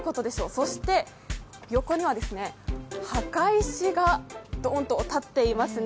そして横には墓石がドーンと立っていますね。